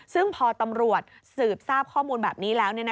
ซึ่งพอตำรวจสืบทราบข้อมูลแบบนี้แล้ว